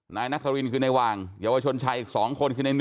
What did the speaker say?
นางนัฐวิ่นคือในวางเดี๋ยววชนชัยคืออีก๒คน